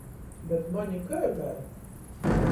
Bet maņ i kai vēļ!